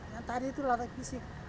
yang tadi itu lari fisik